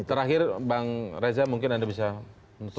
terakhir bang reza mungkin anda bisa mengusulkan